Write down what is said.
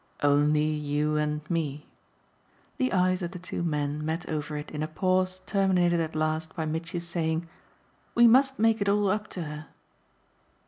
"Only you and me." The eyes of the two men met over it in a pause terminated at last by Mitchy's saying: "We must make it all up to her."